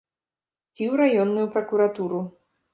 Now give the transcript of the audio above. Ці ў раённую пракуратуру.